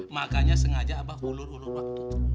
makanya sengaja abah bulur bulur waktu